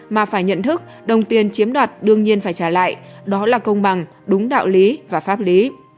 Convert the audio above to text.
mà phải nhận thức đồng tiền chiếm đoạt đương nhiên phải trả lại đó là công bằng đúng đạo lý và pháp lý